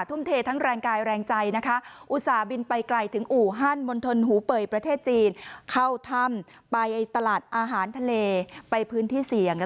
ทุ่มเททั้งแรงกายแรงใจนะคะอุตส่าห์บินไปไกลถึงอู่ฮั่นมณฑลหูเป่ยประเทศจีนเข้าถ้ำไปตลาดอาหารทะเลไปพื้นที่เสี่ยง